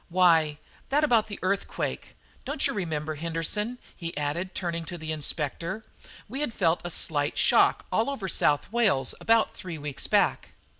"Why, that about the earthquake. Don't you remember, Henderson," he added, turning to the Inspector, "we had felt a slight shock all over South Wales about three weeks back?"